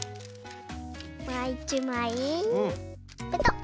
もう１まいペトッ。